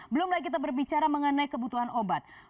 belum lagi kita berbicara mengenai kebutuhan obat